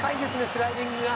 スライディングが。